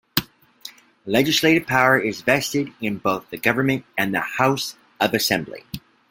Legislative power is vested in both the government and the House of Assembly.